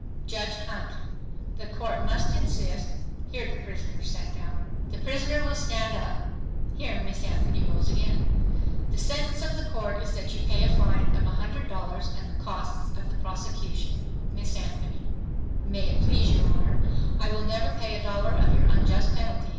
JUDGE HUNT—The Court must insist (here the prisoner sat down). The prisoner will stand up. (Here Miss Anthony rose again.) The sentence of the Court is that you pay a fine of $100.00 and the costs of the prosecution. Miss ANTHONY—May it please your Honor, I will never pay a dollar of your unjust penalty